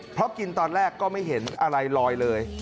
เพราะกินตอนแรกก็ไม่เห็นอะไรลอยเลย